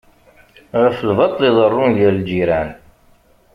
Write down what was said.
Ɣef lbaṭṭel i iḍerrun gar lǧiran.